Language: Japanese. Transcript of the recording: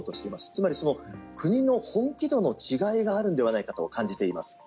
つまり国の本気度の違いがあるんじゃないかと感じています。